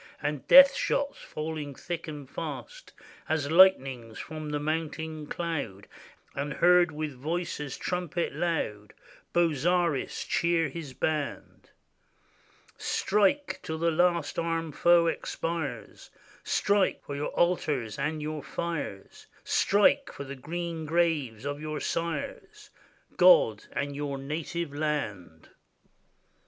And death shots falling thick and fast As lightnings from the mountain cloud; And heard, with voice as trumpet loud, Bozzaris cheer his band: "Strike — till the last armed foe expires; Strike — for your altars and your fires; Strike — for the green graves of your sires; God — and your native land!"